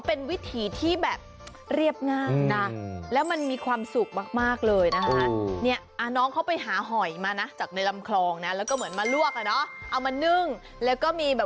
เด็กที่เขาอยู่ต่างจังหวัดวิถีชีวิตของเขาคือจับปลาแล้วก็เอามาประกอบอาหารกันเองแบบนี้เลย